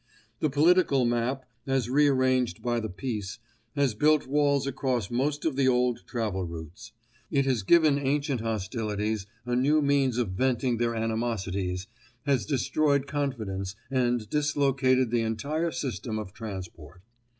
The political map, as re arranged by the Peace, has built walls across most of the old travel routes; it has given ancient hostilities a new means of venting their animosities, has destroyed confidence and dislocated the entire system of transport.